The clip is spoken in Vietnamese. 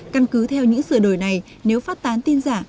căn cứ theo những sửa đổi này nếu phát tán tin giả